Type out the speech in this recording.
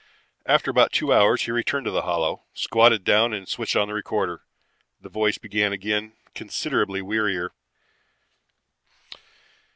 After about two hours he returned to the hollow, squatted down and switched on the recorder. The voice began again, considerably wearier.